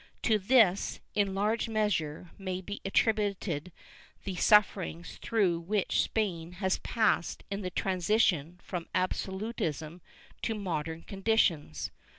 To this, in large measure, may be attributed the sufferings through which Spain has passed in the transition from absolutism to modern conditions.